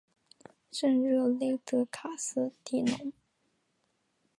圣热内德卡斯蒂隆。